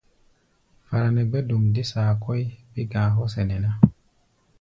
Fara nɛ gbɛ̧́-dom dé saa kɔ́ʼí, bé-ga̧a̧ hɔ́ sɛnɛ ná.